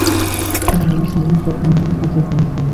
তিনি বলেছিলেন, সফল গুলো হাজার প্রাণের সমান।